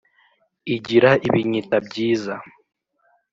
igira ibinyita byiza !»